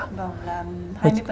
vâng là hai mươi